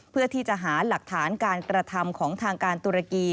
เพื่อที่จะหาหลักฐานการกระทำของทางการตุรกี